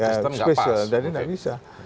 ya special jadi nggak bisa